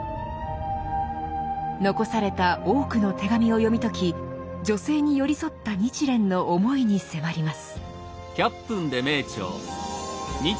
残された多くの手紙を読み解き女性に寄り添った日蓮の思いに迫ります。